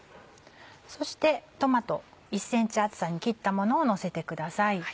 そしてトマト１ｃｍ厚さに切ったものをのせてください。